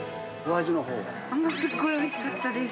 すごくおいしかったです。